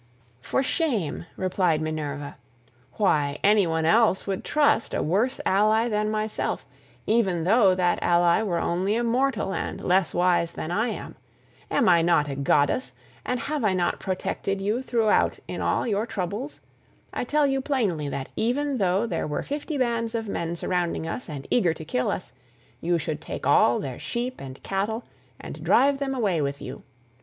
"For shame," replied Minerva, "why, any one else would trust a worse ally than myself, even though that ally were only a mortal and less wise than I am. Am I not a goddess, and have I not protected you throughout in all your troubles? I tell you plainly that even though there were fifty bands of men surrounding us and eager to kill us, you should take all their sheep and cattle, and drive them away with you.